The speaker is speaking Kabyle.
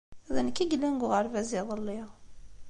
D nekk i yellan deg uɣerbaz, iḍelli.